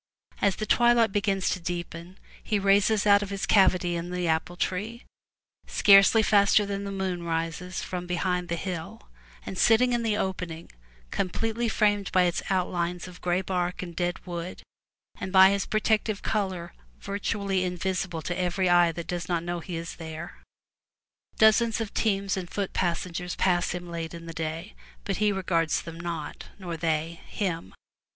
As the twilight begins to deepen he rises out of his cavity in the apple tree, scarcely faster than the moon rises from behind the hill, and sits in the opening, com pletely framed by its outlines of gray bark and dead wood, and 257 MY BOOK HOUSE by his protective coloring virtually invisible to every eye that does not know he is there. Dozens of teams and foot passengers pass him late in the day, but he regards them not, nor they him.